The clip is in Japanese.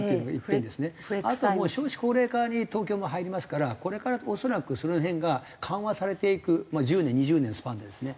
あとは少子高齢化に東京も入りますからこれから恐らくその辺が緩和されていく１０年２０年のスパンでですね